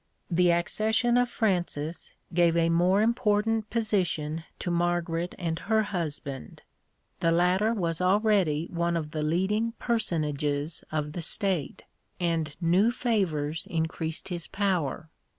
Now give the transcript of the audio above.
The accession of Francis gave a more important position to Margaret and her husband. The latter was already one of the leading personages of the state, and new favours increased his power.